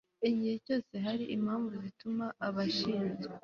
igihe cyose hari impamvu zituma abashinzwe